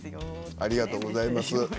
ありがとうございます。